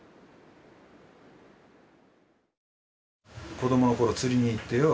子供の頃釣りに行ってよ。